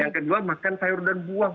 yang kedua makan sayur dan buah